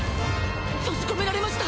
閉じ込められました。